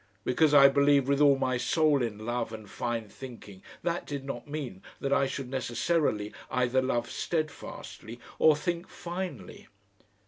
Because I believed with all my soul in love and fine thinking that did not mean that I should necessarily either love steadfastly or think finely.